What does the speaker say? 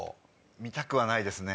見たくはないですね。